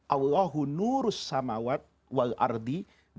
allahunurussamawat wal ardi